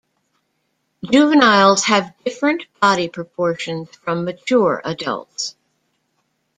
Juveniles have different body proportions from mature adults.